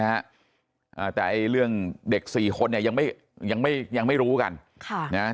อ่าแต่ไอ้เรื่องเด็กสี่คนเนี่ยยังไม่ยังไม่ยังไม่รู้กันค่ะนะ